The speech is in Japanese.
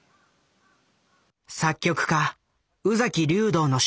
作曲家宇崎竜童の出発点。